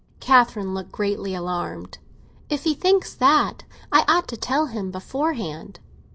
Catherine looked greatly alarmed. "If he thinks that, I ought to tell him beforehand."